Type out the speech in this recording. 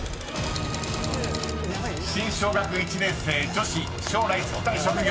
［新小学１年生女子将来就きたい職業］